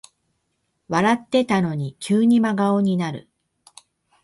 笑ってたのに急に真顔になる